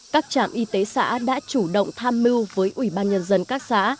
các trạm y tế xã đã chủ động tham mưu với ủy ban nhân dân các xã